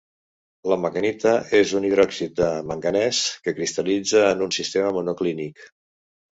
La manganita és un hidròxid de manganès, que cristal·litza en un sistema monoclínic.